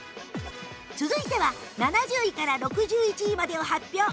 続いては７０位から６１位までを発表